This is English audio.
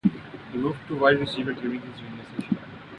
He moved to wide receiver during his junior season.